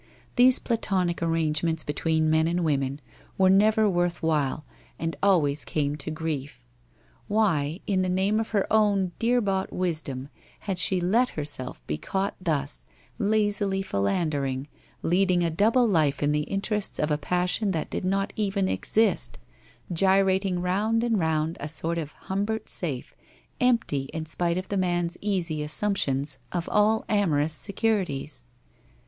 These platonic arrangements between men and women were never worth while and always came to grief. Why, in the name of her own dear bought wisdom, had she let herself be caught thus, lazily philandering, leading a double life in the interests of a passion that did not even exist, gyrating round and round a sort of Humbert safe, empty, in spite of the man's easy assumptions, of all amorous securities.